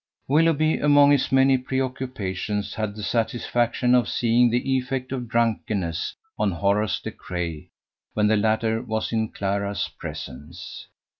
Willoughby, among his many preoccupations, had the satisfaction of seeing the effect of drunkenness on Horace De Craye when the latter was in Clara's presence.